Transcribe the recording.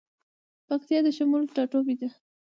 پکتيا د شملو ټاټوبی ده